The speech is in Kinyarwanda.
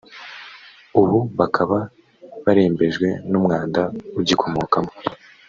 ubu bakaba barembejwe n’umwanda ugikomokamo